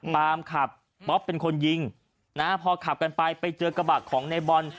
ปามขับป๊อปเป็นคนยิงนะพอขับกันไปไปเจอกระบะของในบอล